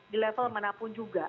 di level manapun juga